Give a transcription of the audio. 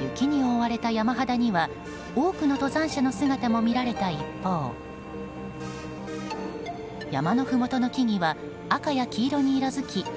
雪に覆われた山肌には多くの登山者の姿も見られた一方山のふもとの木々は赤や黄色に色づき